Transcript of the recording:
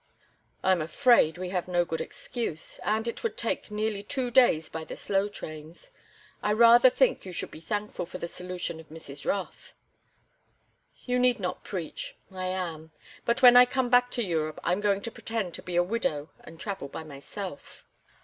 "I am afraid we have no good excuse—and it would take nearly two days by the slow trains. I rather think you should be thankful for the solution of Mrs. Rothe." "You need not preach. I am. But when I come back to Europe I'm going to pretend to be a widow and travel by myself."